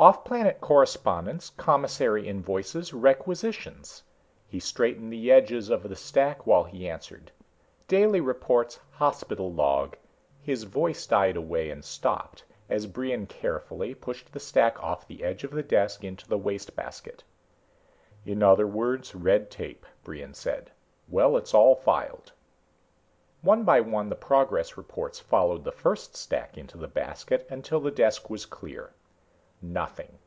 "Offplanet correspondence, commissary invoices, requisitions." He straightened the edges of the stack while he answered. "Daily reports, hospital log...." His voice died away and stopped as Brion carefully pushed the stack off the edge of the desk into the wastebasket. "In other words, red tape," Brion said. "Well, it's all filed." One by one the progress reports followed the first stack into the basket, until the desk was clear. Nothing.